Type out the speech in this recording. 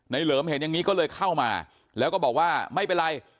เหลิมเห็นอย่างนี้ก็เลยเข้ามาแล้วก็บอกว่าไม่เป็นไร